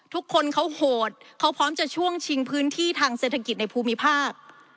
ทุกคนเขาโหดเขาพร้อมจะช่วงชิงพื้นที่ทางเศรษฐกิจในภูมิภาค